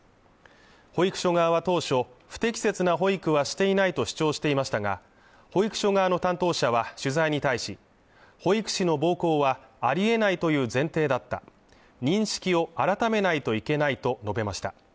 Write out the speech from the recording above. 保育所側は当初不適切な保育はしていないと主張していましたが保育所側の担当者は取材に対し保育士の暴行は有り得ないという前提だった認識を改めないといけないと述べました